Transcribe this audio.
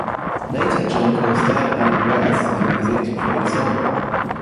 Later Joan Costa added words to the music to create a song.